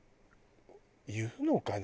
言うのかな？